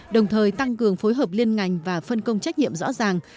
đồng thời tăng cường phối hợp liên ngành và phân công trách nhiệm rõ ràng